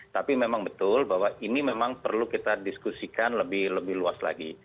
tapi memang betul bahwa ini memang perlu kita diskusikan lebih luas lagi